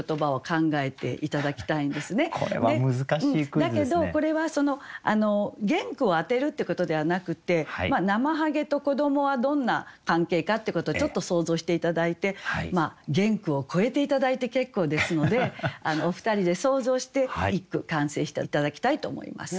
だけどこれは原句を当てるっていうことではなくてなまはげと子どもはどんな関係かっていうことをちょっと想像して頂いて原句を超えて頂いて結構ですのでお二人で想像して一句完成して頂きたいと思います。